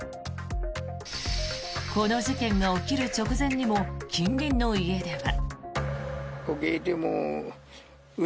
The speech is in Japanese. この事件が起きる直前にも近隣の家では。